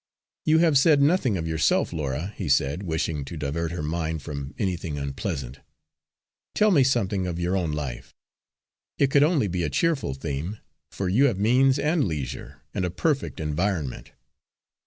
"You have said nothing of yourself, Laura," he said, wishing to divert her mind from anything unpleasant. "Tell me something of your own life it could only be a cheerful theme, for you have means and leisure, and a perfect environment.